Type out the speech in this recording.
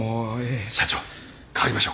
社長代わりましょうか？